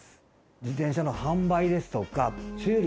自転車の販売ですとか修理